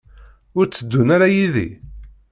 Ur tteddun ara yid-i?